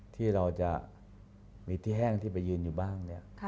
ที่เราจะมีที่แห้งที่ไปยืนอยู่บ้างเนี่ย